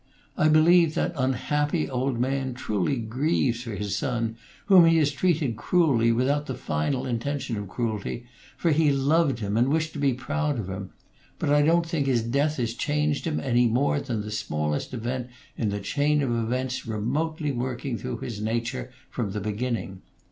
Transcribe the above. I believe that unhappy old man truly grieves for his son, whom he treated cruelly without the final intention of cruelty, for he loved him and wished to be proud of him; but I don't think his death has changed him, any more than the smallest event in the chain of events remotely working through his nature from the beginning.